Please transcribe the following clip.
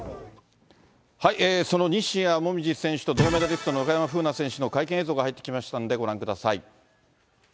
その西矢椛選手と銅メダリストの中山楓奈選手の会見映像が入ってきましたんで、ご覧ください。